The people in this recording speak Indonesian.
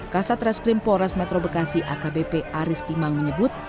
kasat reskrim polres metro bekasi akbp aris timang menyebut